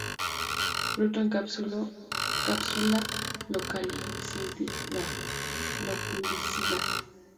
Fruto en cápsula loculicida.